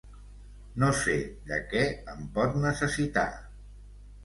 No sé de què em pot necessitar.